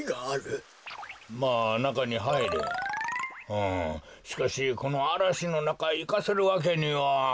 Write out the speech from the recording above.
うんしかしこのあらしのなかいかせるわけには。